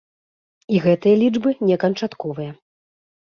І гэтыя лічбы не канчатковыя.